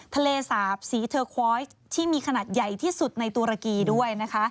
ทะเลสาบสีเทอร์ควอยที่มีขนาดใหญ่ที่สุดในตุรกีด้วยนะคะ